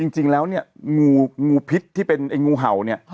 จริงแล้วเนี่ยงูพิษที่เป็นไอ้งูเห่าเนี่ย